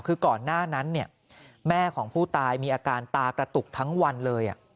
คือก่อนหน้านั้นแม่ของผู้ตายมีอาการตากระตุกทั้งวันเลย